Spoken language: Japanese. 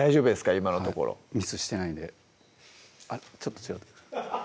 今のところミスしてないんであっちょっと違った？